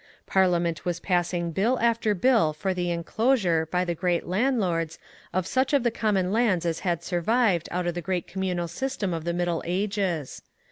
Parliament was passing Bill after Bill for the enclosure by the great landlords of such of the common lands as had survived out of the great communal system of the Middle Ages.